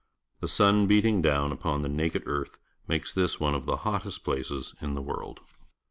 The sun beating down upon the naked earth makes this one of the hottest places in the world.